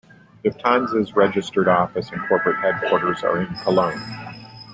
Lufthansa's registered office and corporate headquarters are in Cologne.